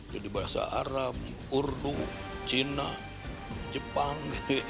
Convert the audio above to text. jadi bahasa arab urdu cina jepang